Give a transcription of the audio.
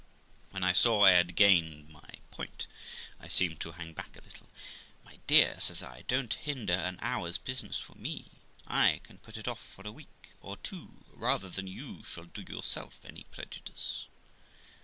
When I saw I had gained my point, I seemed to hang back a little. 'My dear', says I, 'don't hinder an hour's business for me ; I can put it off for a week or two rather than you shall do yourself any prejudice.'